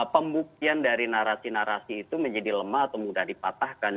pembuktian dari narasi narasi itu menjadi lemah atau mudah dipatahkan